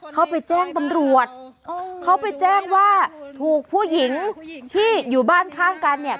เขาไปแจ้งตำรวจเขาไปแจ้งว่าถูกผู้หญิงที่อยู่บ้านข้างกันเนี่ย